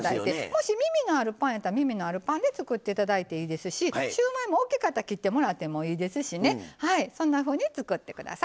もし耳があるパンやったら耳のあるパンでも作っていただいていいですしシューマイも大きかったら切ってもらってもいいですしそんなふうに作ってください。